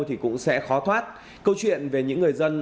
thì cũng sẽ khó thoát câu chuyện về những người dân